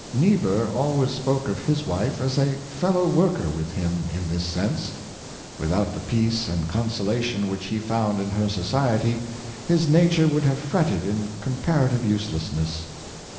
Niebuhr always spoke of his wife as a fellow worker with him in this sense. Without the peace and consolation which he found in her society, his nature would have fretted in comparative uselessness.